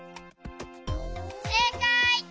せいかい！